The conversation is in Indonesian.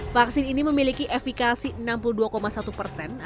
vaksin ini memiliki efikasi enam puluh dua satu persen